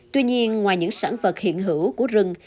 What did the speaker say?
tuy nhiên ngoài những sản vật hiện hữu của rừng